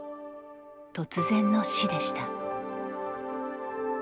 突然の死でした。